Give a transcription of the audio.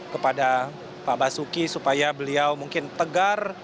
kepada pak basuki supaya beliau mungkin tegar